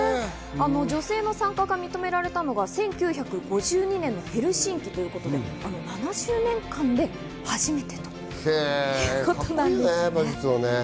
女性の参加が認められたのが１９５２年のヘルシンキということで、７０年間で初めてということなんですね。